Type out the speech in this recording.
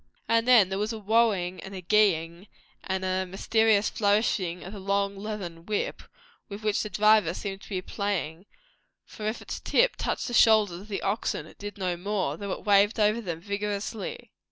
And then there was a "whoa" ing and a "gee" ing and a mysterious flourishing of the long leathern whip, with which the driver seemed to be playing; for if its tip touched the shoulders of the oxen it did no more, though it waved over them vigorously.